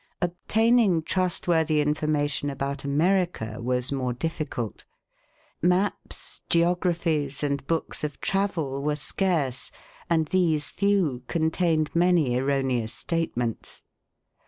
Obtaining trustworthy information about America was more difficult. Maps, geographies and books of travel were scarce, and these few contained many er roneous statements.